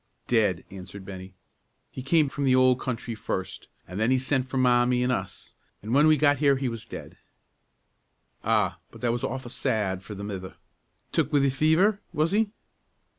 "Dead," answered Bennie. "He came from the old country first, an' then he sent for Mommie an' us, an' w'en we got here he was dead." "Ah, but that was awfu' sad for the mither! Took wi' the fever, was he?"